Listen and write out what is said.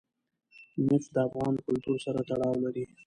نفت د افغان کلتور سره تړاو لري.